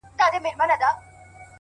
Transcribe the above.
په سپوږمۍ كي زمـــا ژوندون دى-